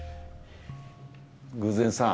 偶然さん。